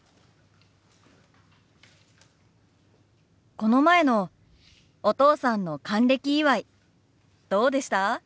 この前のお父さんの還暦祝どうでした？